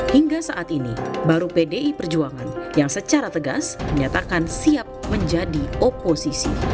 hingga saat ini baru pdi perjuangan yang secara tegas menyatakan siap menjadi oposisi